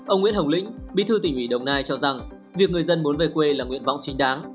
ông nguyễn hồng lĩnh bí thư tỉnh ủy đồng nai cho rằng việc người dân muốn về quê là nguyện vọng chính đáng